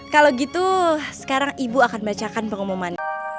kalau gitu sekarang ibu akan bacakan pengumuman